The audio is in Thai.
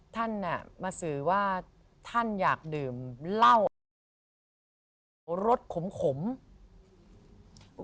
ท่านมาสื่อว่าท่านอยากดื่มเร่ามันผัก